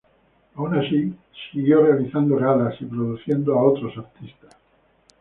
Aun así, siguió realizando galas y produciendo a otros artistas.